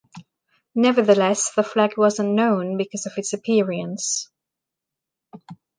Nevertheless, the flag wasn’t known because of its appearance.